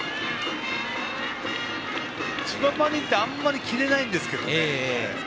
千葉マリンってあんまり切れないんですけどね。